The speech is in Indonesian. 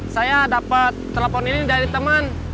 saya dapat telepon ini dari teman